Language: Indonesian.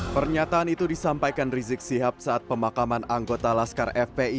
pernyataan itu disampaikan rizik sihab saat pemakaman anggota laskar fpi